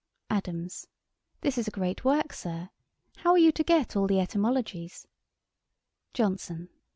'ADAMS. This is a great work, Sir. How are you to get all the etymologies? JOHNSON.